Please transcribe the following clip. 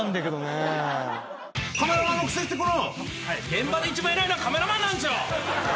現場で一番偉いのはカメラマンなんですよ！